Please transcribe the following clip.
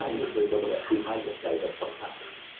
お伝えしました。